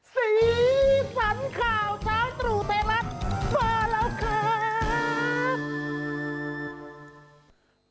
สีฝันข่าวเช้าตู่ในลักษณ์มาแล้วครับ